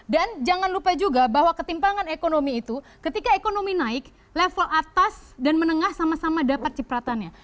dan jangan lupa juga bahwa ketimpangan ekonomi itu ketika ekonomi naik level atas dan menengah sama sama dapat cipratannya